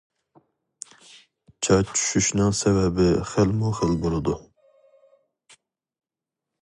چاچ چۈشۈشنىڭ سەۋەبى خىلمۇ خىل بولىدۇ.